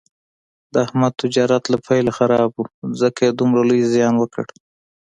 د احمد تجارت له پیله خراب و، ځکه یې دومره لوی زیان وکړ.